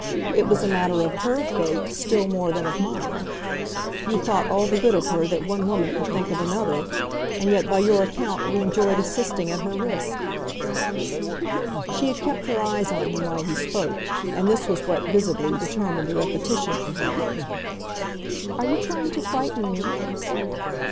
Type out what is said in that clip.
It was a matter of HER fate still more than of mine. You thought all the good of her that one woman can think of another, and yet, by your account, you enjoyed assisting at her risk." She had kept her eyes on him while he spoke, and this was what, visibly, determined a repetition for her. "Are you trying to frighten me?"